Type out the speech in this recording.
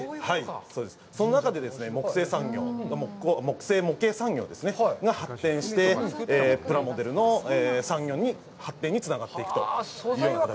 その中でですね、木製産業、木製模型産業が発展して、プラモデルの産業に発展につながっていくというような形になります。